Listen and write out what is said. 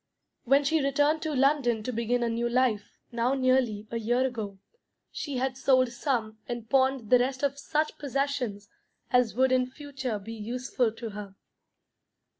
When she returned to London to begin a new life, now nearly a year ago, she had sold some and pawned the rest of such possessions as would in future be useful to her.